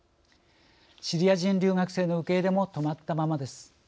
シリア人留学生の受け入れも止まったままです。